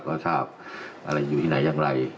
ก็ทราบอะไรอยู่ที่ไหนอย่างไร